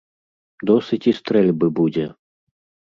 Досыць і стрэльбы будзе!